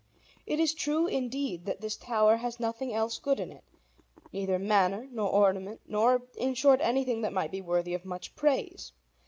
It is true, indeed, that this tower has nothing else good in it, neither manner, nor ornament, nor, in short, anything that might be worthy of much praise.